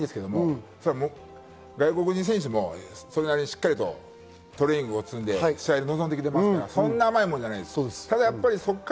本来であれば４分間で投げられればいいんですが、外国人選手もそれなりにしっかりとトレーニングを積んで、試合に臨んできていますから、そんな甘いもんじゃないです。